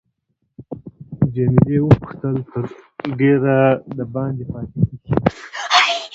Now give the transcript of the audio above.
جميله وپوښتل تر ډېره دباندې پاتې کیږې.